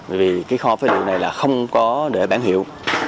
bởi vì cái kho phế liệu này là không có để bán hiệu